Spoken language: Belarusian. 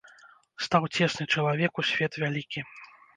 Стаў цесны чалавеку свет вялікі.